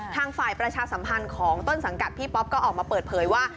ทางฝ่ายประชาสัมพันธ์ของต้นสังกัดพี่ป๊อปก็ออกมาเปิดเผยว่า